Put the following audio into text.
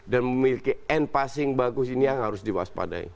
dan memiliki end passing bagus ini yang harus di waspadai